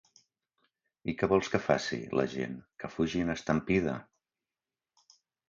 I què vols que faci, la gent, que fugi en estampida?